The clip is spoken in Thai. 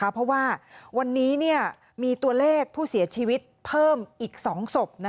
เพราะว่าวันนี้มีตัวเลขผู้เสียชีวิตเพิ่มอีก๒ศพ